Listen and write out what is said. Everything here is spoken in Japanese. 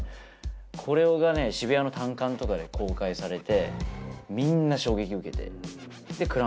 これがね渋谷の単館とかで公開されてみんな衝撃受けて。